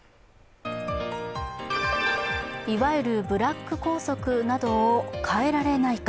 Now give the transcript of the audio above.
いわゆるブラック校則などを変えられないか。